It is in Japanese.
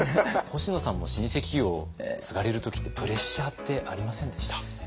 星野さんも老舗企業を継がれる時ってプレッシャーってありませんでした？